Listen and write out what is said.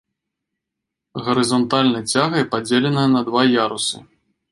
Гарызантальнай цягай падзеленая на два ярусы.